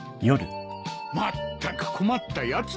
まったく困ったやつだ。